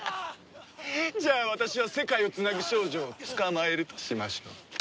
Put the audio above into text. じゃあ私は世界をつなぐ少女を捕まえるとしましょう。